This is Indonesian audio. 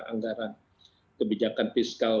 anggaran kebijakan fiskal